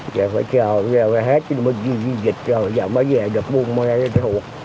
rồi phải chờ giờ hết bây giờ mới dịch rồi giờ mới về được buôn mua ra thuộc